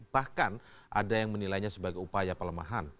bahkan ada yang menilainya sebagai upaya pelemahan